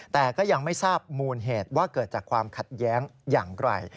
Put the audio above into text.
แต่ก็ยังไม่ทราบมูลเหตุว่าเกิดจากความขัดแย้งอย่างไกล